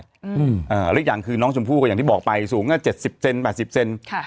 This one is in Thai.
แต่อีกอย่างคือน้องจมพู่อย่างที่บอกไปสูงงาน๗๐เซน๘๐เซน